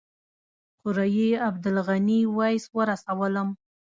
خوريي عبدالغني ویس ورسولم.